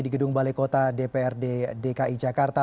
di gedung balai kota dprd dki jakarta